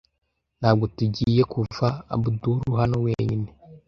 Ntabwo tugiye kuva Abudul hano wenyine.